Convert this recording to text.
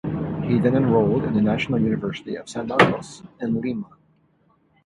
He then enrolled in the National University of San Marcos in Lima.